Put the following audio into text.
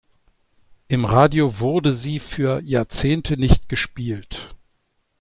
Im Radio wurde sie für Jahrzehnte nicht gespielt.